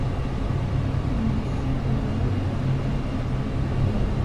انګلیسي د ویلو مهارت تقویه کوي